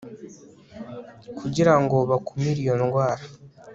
kugira ngo bakumire iyo ndwara